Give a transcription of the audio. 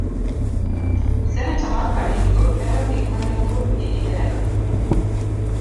Seneta mar Baringo lero gik mane wuon gi ihero.